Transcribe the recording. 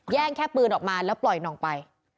แจ้งแค่ปืนออกมาและปล่อยน่องไป